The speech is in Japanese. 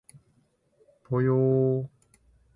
ぽよー